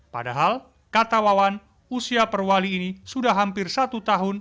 padahal kata wawan usia perwali ini sudah hampir satu tahun